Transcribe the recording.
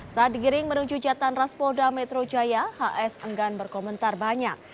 saat digiring menuju jatan ras polda metro jaya hs enggan berkomentar banyak